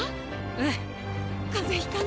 うん。